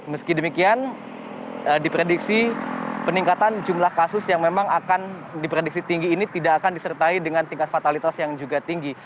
meski demikian diprediksi peningkatan jumlah kasus yang memang akan diprediksi tinggi ini tidak akan disertai dengan tingkat fatalitas yang juga tinggi